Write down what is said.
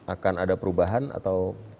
akan ada perubahan atau